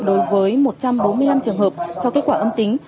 đối với một trăm bốn mươi năm trường hợp cho kết quả âm tính